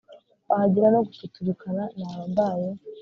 kwahagira no gututubikana naba mbaye